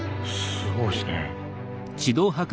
すごいですね。